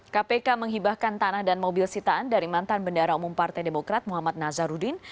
kpk menghibahkan tanah dan mobil sitaan dari mantan bendara umum partai demokrat muhammad nazarudin